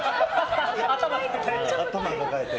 頭抱えて。